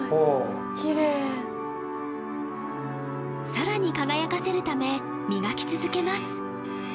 きれいさらに輝かせるため磨き続けます